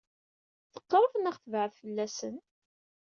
Teqṛeb neɣ tebɛed fell-asen?